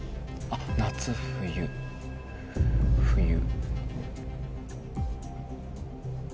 あっ夏冬冬。